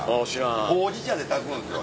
ほうじ茶で炊くんですよ。